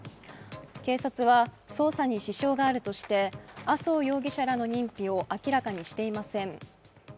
警察は捜査に支障があるとして麻生容疑者らの認否を明らかにしていません。